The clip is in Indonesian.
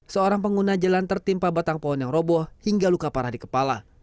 seorang pengguna jalan tertimpa batang pohon yang roboh hingga luka parah di kepala